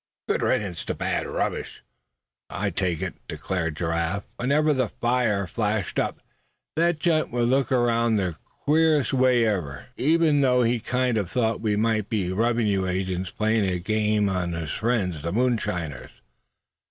"Good riddance to bad rubbish, I take it," declared Giraffe. "Whenever the fire flashed up that gent would look around the queerest way ever, as though he kind of thought we might be revenue agents playing a fine game on his friends, the moonshiners."